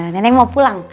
neneng mau pulang